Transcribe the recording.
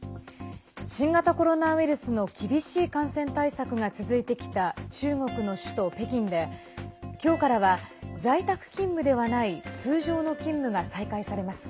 新型コロナウイルスの厳しい感染対策が続いてきた中国の首都・北京できょうからは在宅勤務ではない通常の勤務が再開されます。